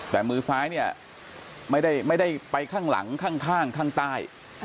แต่มือซ้ายเนี่ยไม่ได้ไปข้างหลังข้างข้างใต้